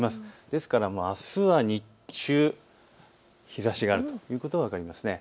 ですからあすは日中、日ざしがあるということが分かります。